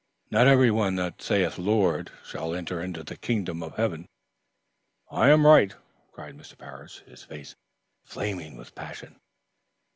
'Not every one that saith Lord, Lord, shall enter into the kingdom of heaven.'" "I am right!" cried Mr. Parris, his face flaming with passion.